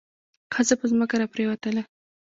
ښځه په ځمکه را پریوتله.